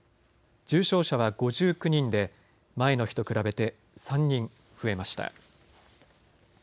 重症者は５９人で前の日と比べて３人増えました。